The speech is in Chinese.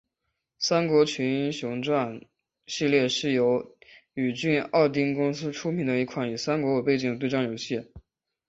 三国群英传系列是由宇峻奥汀公司出品的一款以三国为背景的对战游戏。